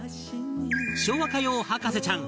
昭和歌謡博士ちゃん